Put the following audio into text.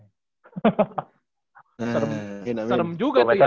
serem juga tuh ya